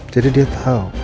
jadi dia tahu